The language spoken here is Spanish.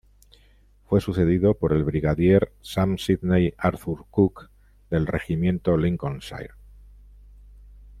Fue sucedido por el brigadier Sam Sidney Arthur Cooke del Regimiento Lincolnshire.